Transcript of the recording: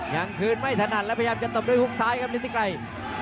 ยังคืนไม่ถนัดและพยายามจะตบด้วยฮุกซ้ายครับฤทธิไกร